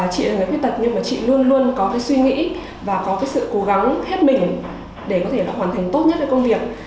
chị là người khuyết tật nhưng mà chị luôn luôn có cái suy nghĩ và có cái sự cố gắng hết mình để có thể hoàn thành tốt nhất cái công việc